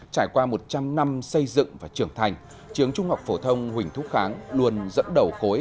trải qua một trăm linh năm xây dựng và trưởng thành trường trung học phổ thông huỳnh thúc kháng luôn dẫn đầu cối